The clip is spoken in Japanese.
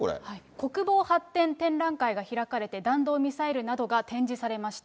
国防発展展覧会が開かれて、弾道ミサイルなどが展示されました。